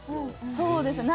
そうですね。